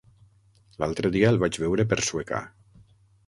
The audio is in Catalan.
L'altre dia el vaig veure per Sueca.